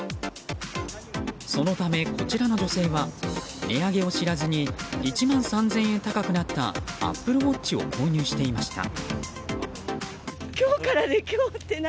そのため、こちらの女性は値上げを知らずに１万３０００円高くなったＡｐｐｌｅＷａｔｃｈを購入していました。